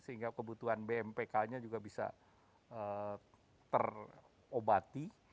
sehingga kebutuhan bmpk nya juga bisa terobati